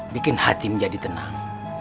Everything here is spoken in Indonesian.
bikin hati menjadi tenang